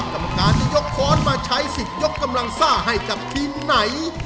กรรมการจะยกค้อนมาใช้สิทธิ์ยกกำลังซ่าให้กับทีมไหน